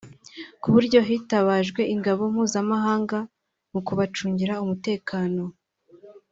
ku buryo hitabajwe ingabo mpuzamahanga mu kuhacungira umutekano